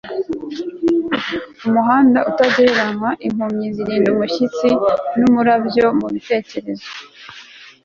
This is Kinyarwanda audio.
umuhanda utagereranywa wimpumyi zihinda umushyitsi numurabyo mubitekerezo